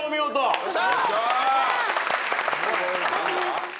よし！